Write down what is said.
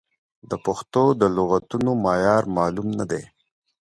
د پښتو د لغتونو معیار معلوم نه دی.